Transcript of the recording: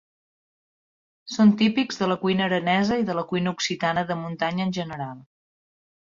Són típics de la cuina aranesa i de la cuina occitana de muntanya en general.